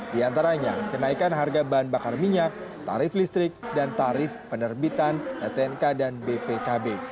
di antaranya kenaikan harga bahan bakar minyak tarif listrik dan tarif penerbitan snk dan bpkb